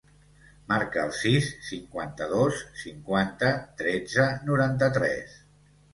Marca el sis, cinquanta-dos, cinquanta, tretze, noranta-tres.